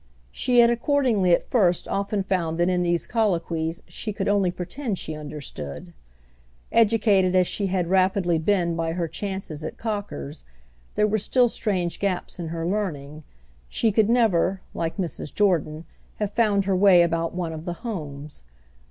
She had accordingly at first often found that in these colloquies she could only pretend she understood. Educated as she had rapidly been by her chances at Cocker's, there were still strange gaps in her learning—she could never, like Mrs. Jordan, have found her way about one of the "homes."